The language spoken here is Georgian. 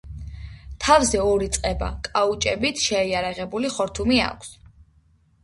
თავზე ორი წყება კაუჭებით შეიარაღებული ხორთუმი აქვს.